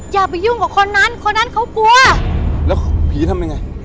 อย่าไปยุ่งกับคนนั้นคนนั้นเขากลัวแล้วผีทำยังไง